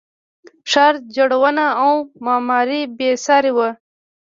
ښار جوړونه او معمارۍ بې ساري وه